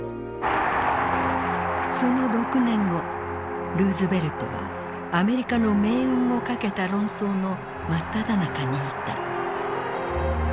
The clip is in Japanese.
その６年後ルーズベルトはアメリカの命運をかけた論争の真っただ中にいた。